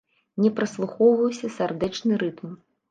Не праслухоўваўся сардэчны рытм.